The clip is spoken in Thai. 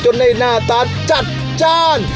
ได้หน้าตาจัดจ้าน